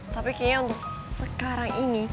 tapi kayaknya untuk sekarang ini